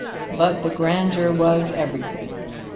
But the grandeur was everything.